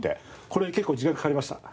これ結構時間かかりました。